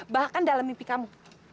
bahkan dalam mimpi kamu